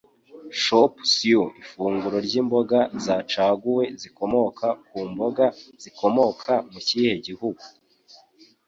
Chop Suey Ifunguro ryimboga zacaguwe zikomoka ku mboga zikomoka mu kihe gihugu?